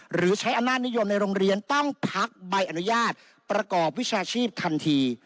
หรือใช้อำนาจนิยมในโรงเรียนต้องพักใบอนุญาตประกอบวิชาชีพทันที